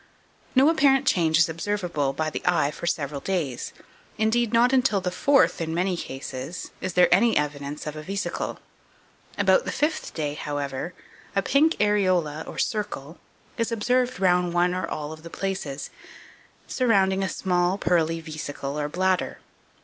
No apparent change is observable by the eye for several days; indeed, not till the fourth, in many cases, is there any evidence of a vesicle; about the fifth day, however, a pink areola, or circle, is observed round one or all of the places, surrounding a small pearly vesicle or bladder.